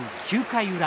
９回裏。